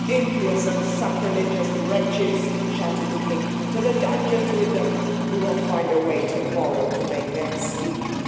"Impious and sacrilegious wretches!" shouted the King. "To the dungeons with them! We will find a way, tomorrow, to make them speak.